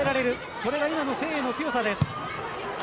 それが今の誠英の強さです。